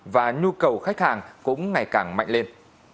và nhu cầu khách hàng cũng ngày càng mạnh lên